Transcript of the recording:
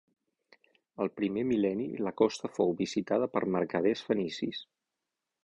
Al primer mil·lenni la costa fou visitada per mercaders fenicis.